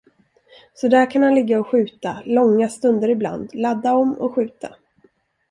Så där kan han ligga och skjuta långa stunder ibland, ladda om och skjuta.